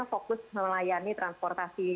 fokus melayani transportasi